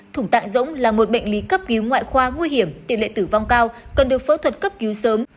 thủng tạng rỗng là một bệnh lý cấp cứu ngoại khoa nguy hiểm tỷ lệ tử vong cao cần được phẫu thuật cấp cứu sớm